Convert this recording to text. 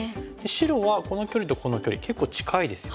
白はこの距離とこの距離結構近いですよね。